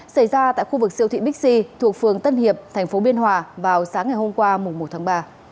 xảy ra tại khu vực siêu thị bixi thuộc phường tân hiệp tp biên hòa vào sáng ngày hôm qua một tháng ba